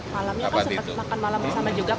malamnya kan sempat makan malam bersama juga